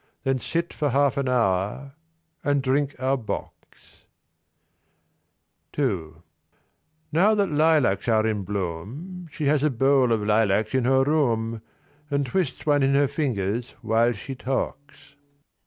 Then sit for half an hour and drink our bocks. II Now that lilacs are in bloom She has a bowl of lilacs in her room And twists one in her fingers while she talks.